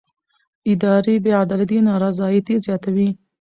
اداري بې عدالتي نارضایتي زیاتوي